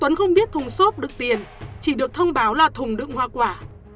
tuấn không biết thùng xốp được tiền chỉ được thông báo là thùng đựng hoa quả